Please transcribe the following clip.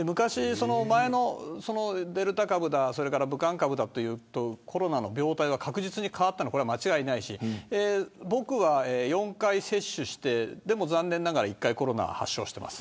前のデルタ株だ、武漢株だというコロナの病態は確実に変わったのは間違いないし僕は４回接種して、残念ながら一度発症してます。